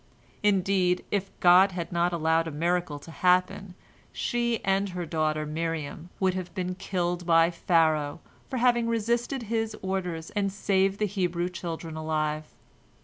Indeed, if God had not allowed a miracle to happen, she and her daughter Miriam would have been killed by Pharaoh for having resisted his orders and saved the Hebrew children alive.